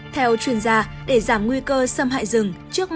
theo chuyên gia để giảm nguy cơ xâm hại rừng